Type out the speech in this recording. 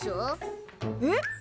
えっ！